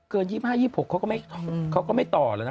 เกิน๒๕๒๖เขาก็ไม่ต่อแล้วนะ